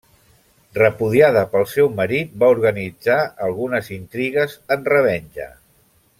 Repudiada pel seu marit va organitzar algunes intrigues en revenja.